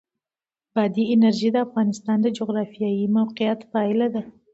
بادي انرژي د افغانستان د جغرافیایي موقیعت پایله ده.